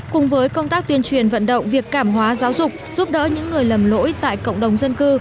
cùng với công tác tuyên truyền vận động việc cảm hóa giáo dục giúp đỡ những người lầm lỗi tại cộng đồng dân cư